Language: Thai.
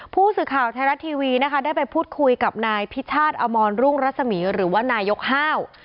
ผู้สื่อข่าวไทยรัฐทีวีนะคะได้ไปพูดคุยกับนายพิชาติอมรรุ่งรัศมีร์หรือว่านายกห้าว